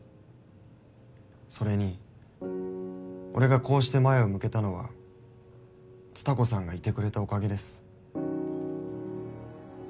それに俺がこうして前を向けたのは蔦子さんがいてくれたおかげです。